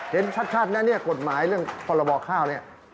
เห็นชัดนะเนี่ยกฎหมายเรื่องพรบข้าวเนี่ย